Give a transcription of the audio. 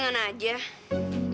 ngerusain pemandangan aja